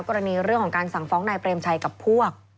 กรณีเรื่องของการสั่งฟ้องนายเปรมชัยกับพวก